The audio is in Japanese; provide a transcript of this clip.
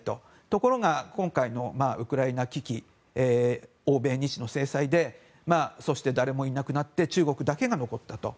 ところが今回のウクライナ危機欧米の制裁でそして誰もいなくなって中国だけが残ったと。